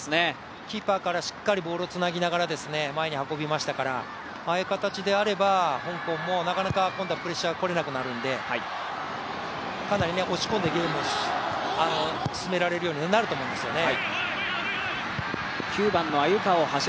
キーパーからしっかりボールをつなぎながら前に運びましたからああいう形であれば香港もなかなかプレッシャーかからなくなるので、かなり押し込んでゲームを進められるようになると思いますね。